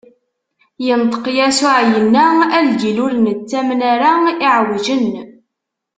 Inṭeq Yasuɛ, inna: A lǧil ur nettamen ara, iɛewjen!